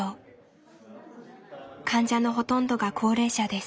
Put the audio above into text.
患者のほとんどが高齢者です。